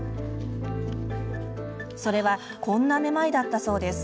それはこんなめまいだったそうです。